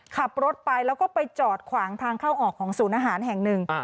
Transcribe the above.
ขับรถไปแล้วก็ไปจอดขวางทางเข้าออกของศูนย์อาหารแห่งหนึ่ง